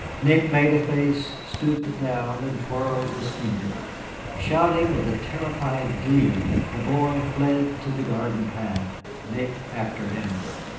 Nick made a face, stooped down, and twirled his finger. Shouting with a terrified glee, the boy fled to the garden path, Nick after him.